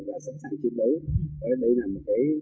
và sẵn sàng tuyến đấu